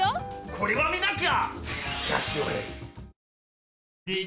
これは見なきゃ！